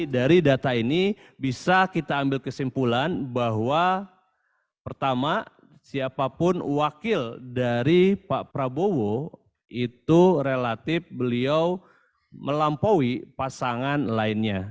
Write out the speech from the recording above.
dari data ini bisa kita ambil kesimpulan bahwa pertama siapapun wakil dari pak prabowo itu relatif beliau melampaui pasangan lainnya